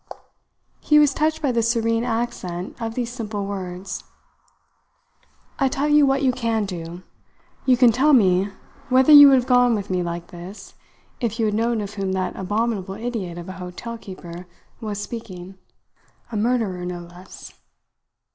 He was touched by the sincere accent of these simple words. "I tell you what you can do you can tell me whether you would have gone with me like this if you had known of whom that abominable idiot of a hotel keeper was speaking. A murderer no less!"